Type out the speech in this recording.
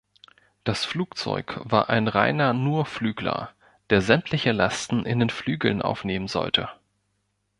Das Flugzeug war ein reiner Nurflügler, der sämtliche Lasten in den Flügeln aufnehmen sollte.